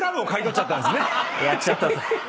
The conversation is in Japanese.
やっちゃったぜ。